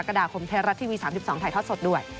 ก็จะเมื่อวันนี้ตอนหลังจดเกม